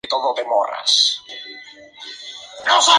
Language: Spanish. Hospital George.